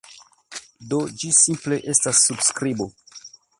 Do, ĝi simple estas subskribo.